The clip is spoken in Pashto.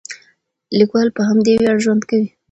لیکوال په همدې ویاړ ژوند کوي.